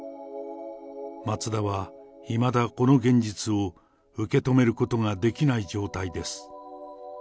松田はいまだこの現実を受け止めることができない状態です。